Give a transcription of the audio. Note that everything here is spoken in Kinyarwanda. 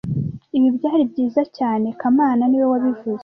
Ibi byari byiza cyane kamana niwe wabivuze